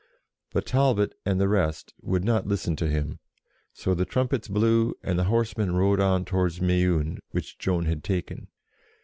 But Talbot and the rest would not listen to him, so the trumpets blew, and the horsemen rode on towards Meun, which Joan had taken.